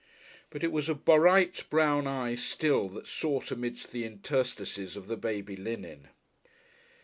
But it was a bright brown eye still that sought amidst the interstices of the baby linen.